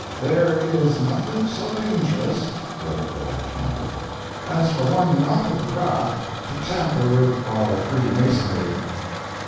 "There is nothing so dangerous," wrote Lord Campbell, "as for one not of the craft to tamper with our freemasonry."